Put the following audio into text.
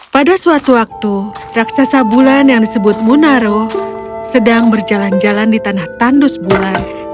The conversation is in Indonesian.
pada suatu waktu raksasa bulan yang disebut munaro sedang berjalan jalan di tanah tandus bulan